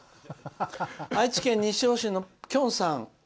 愛知県西尾市のきょんさん。